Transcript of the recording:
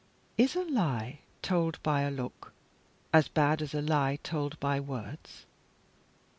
Is a lie told by a look as bad as a lie told by words?